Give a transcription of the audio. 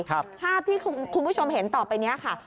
ภาพที่คุณผู้ชมเห็นต่อไปนี้ค่ะ